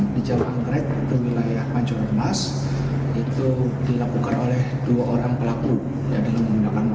pertama pembela smp berkata bahwa dia tidak berhasil menangkap pelaku